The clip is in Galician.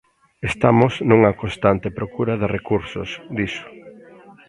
"Estamos nunha constante procura de recursos", dixo.